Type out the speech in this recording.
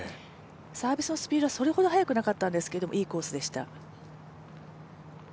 サービスのスピードはそれほど速くなかったんですけれどもいいコースでした。